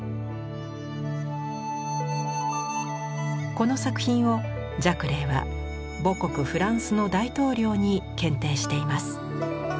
この作品をジャクレーは母国フランスの大統領に献呈しています。